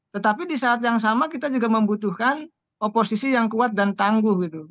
tetapi di saat yang sama kita juga membutuhkan oposisi yang kuat dan tangguh gitu